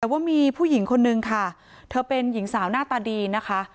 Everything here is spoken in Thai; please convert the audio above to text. แต่ว่ามีผู้หญิงคนนึงค่ะเธอเป็นหญิงสาวหน้าตาดีนะคะ